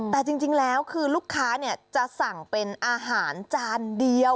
แต่จริงแล้วคือลูกค้าจะสั่งเป็นอาหารจานเดียว